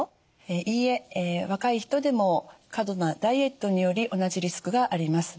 いいえ若い人でも過度なダイエットにより同じリスクがあります。